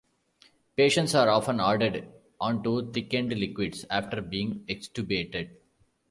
Patients are often ordered onto thickened liquids after being extubated.